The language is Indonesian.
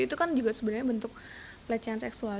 itu kan juga sebenarnya bentuk pelecehan seksual